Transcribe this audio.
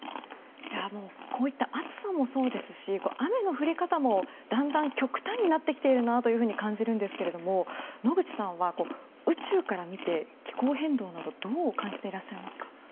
こういった暑さもそうですし雨の降り方も、だんだん極端になってきているなと感じるんですけど野口さんは、宇宙から見て気候変動などどう感じていらっしゃいますか。